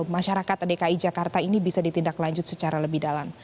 masyarakat dki jakarta ini bisa ditindaklanjut secara lebih dalam